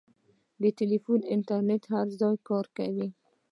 د ټیلیفون انټرنېټ هر ځای کار ورکوي.